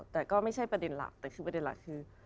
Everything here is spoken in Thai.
แต่ก็ไม่ใช่ประเด็นหลักแต่คือประเด็นหลักคือ